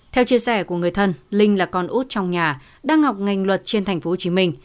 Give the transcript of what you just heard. theo chia sẻ của người thân linh là con út trong nhà đang học ngành luật trên tp hcm